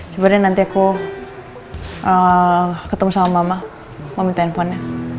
sebenarnya nanti aku ketemu sama mama mau minta handphonenya